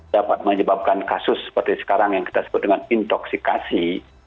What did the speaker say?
dapat menyebabkan kasus seperti sekarang yang kita sebut dengan intoksikasi